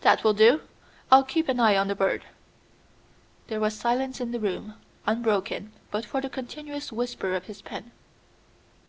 "That will do; I'll keep an eye on the bird." There was silence in the room, unbroken but for the continuous whisper of his pen.